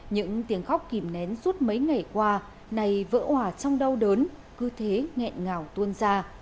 những tiếng khóc kìm nén suốt mấy ngày qua này vỡ hỏa trong đau đớn cứ thế nghẹn ngào tuôn ra